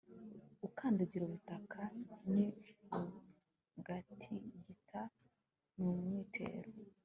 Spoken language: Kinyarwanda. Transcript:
ukandagira ubutaka ni bugatigita n umwitero